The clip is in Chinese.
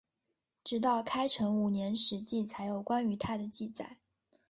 直到开成五年史籍才有关于他的记载。